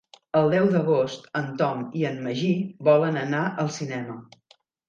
El deu d'agost en Tom i en Magí volen anar al cinema.